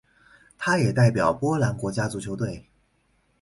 他也代表波兰国家足球队。